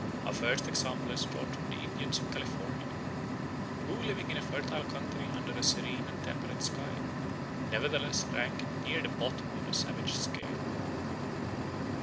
Our first example is drawn from the Indians of California, who living in a fertile country under a serene and temperate sky, nevertheless rank near the bottom of the savage scale.